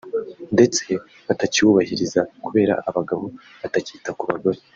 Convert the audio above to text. ndetse batakiwubahiriza kubera abagabo batakita ku bagore